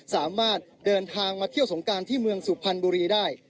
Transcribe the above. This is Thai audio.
สามารถเดินทางมาเที่ยวสงการที่เมืองสุพรรณบุรีได้